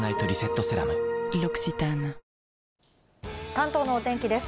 関東のお天気です。